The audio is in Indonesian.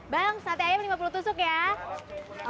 bang sate ayam lima puluh tusuk ya